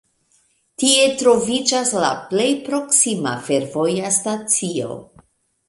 Tie troviĝas la plej proksima fervoja stacio.